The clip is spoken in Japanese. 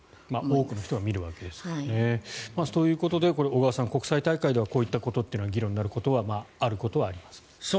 多くの人が見るわけですからね。ということで小川さん国際大会ではこういったことは議論になることはあることはあります。